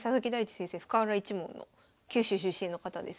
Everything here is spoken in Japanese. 先生深浦一門の九州出身の方ですね。